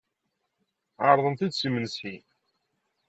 Ɛerḍen-ten-id s imensi.